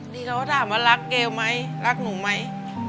นี่เขาก็ถามว่ารักเกลไหมรักหนูไหม